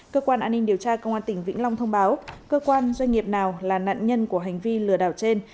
cơ quan an ninh điều tra công an tỉnh vĩnh long thông báo cơ quan doanh nghiệp nào là nạn nhân của hành vi lừa đảo trên